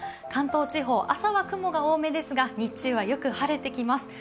関東地方、朝は雲が多めですが日中はよく晴れてきます。